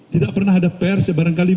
tidak pernah ada pers yang barangkali